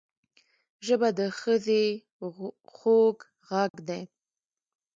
ژبه د ښځې خوږ غږ دی